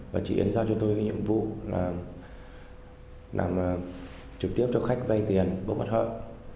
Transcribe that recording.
và chị yến giao cho tôi nhiệm vụ là làm trực tiếp cho khách vay tiền bố bắt hợp